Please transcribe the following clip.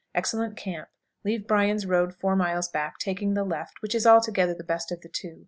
Excellent camp. Leave Bryan's road four miles back, taking the left, which is altogether the best of the two.